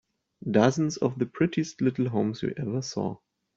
Dozens of the prettiest little homes you ever saw.